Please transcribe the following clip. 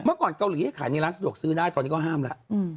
เมื่อก่อนเกาหลีให้ขายในร้านสะดวกซื้อได้ตอนนี้ก็ห้ามแล้ว